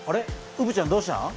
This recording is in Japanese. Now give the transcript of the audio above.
うぶちゃんどうしたん？